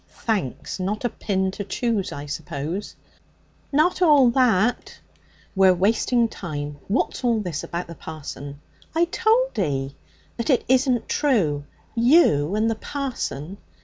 'Thanks. Not a pin to choose, I suppose.' 'Not all that.' 'We're wasting time. What's all this about the parson?' 'I told 'ee.' 'But it isn't true. You and the parson!'